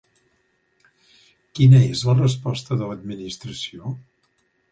Quina és la resposta de l'Administració?